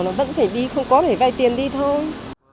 nó vẫn phải đi không có để vay tiền đi thôi